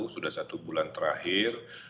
sudah satu bulan terakhir